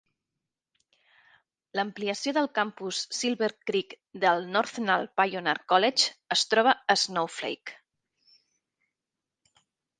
L'ampliació del campus Silver Creek del Northland Pioneer College es troba a Snowflake.